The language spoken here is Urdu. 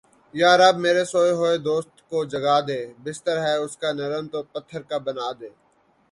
یا رب میرے سوئے ہوئے دوست کو جگا دے۔ بستر ہے اس کا نرم تو پتھر کا بنا دے